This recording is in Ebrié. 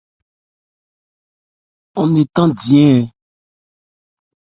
Ɔ́n ne thandi ncɛ́n.